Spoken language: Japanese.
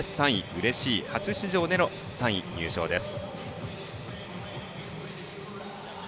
うれしい初出場での３位入賞です。